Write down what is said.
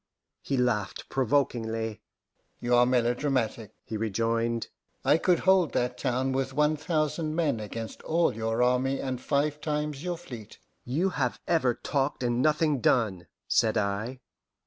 He laughed provokingly. "You are melodramatic," he rejoined. "I could hold that town with one thousand men against all your army and five times your fleet." "You have ever talked and nothing done," said I.